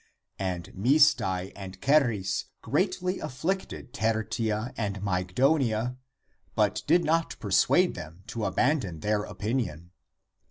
And Misdai and Charis greatly afflicted Tertia and Mygdonia, but did not persuade them to abandon their opinion.